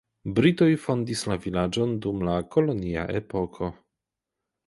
Britoj fondis la vilaĝon dum la kolonia epoko.